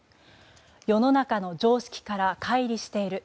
世の中の常識から乖離している。